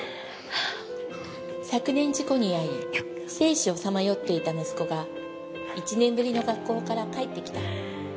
昨年事故に遭い生死をさまよっていた息子が１年ぶりの学校から帰ってきた